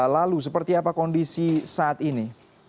lalu seperti apa kondisi saat ini